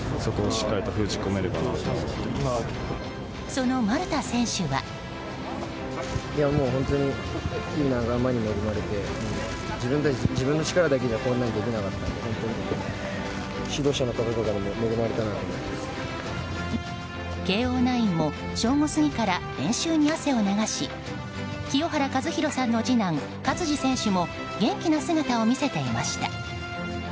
その丸田選手は。慶応ナインも正午過ぎから練習に汗を流し清原和博さんの次男・勝児選手も元気な姿を見せていました。